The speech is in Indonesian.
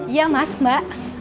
iya mas mbak